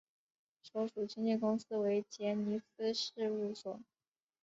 所属经纪公司为杰尼斯事务所。